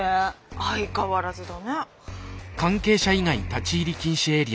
相変わらずだね。